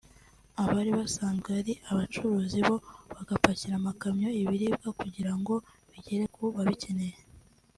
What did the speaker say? abari basanzwe ari abacuruzi bo bapakira amakamyo ibiribwa kugira ngo bigere ku babikeneye